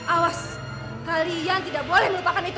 awas kalian tidak boleh melupakan itu